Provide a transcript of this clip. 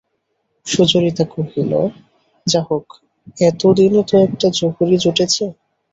সুচরিতা কহিল, যা হোক, এতদিনে তো একটা জহরি জুটেছে।